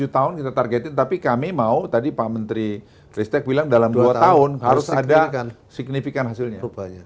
tujuh tahun kita targetin tapi kami mau tadi pak menteri ristek bilang dalam dua tahun harus ada signifikan hasilnya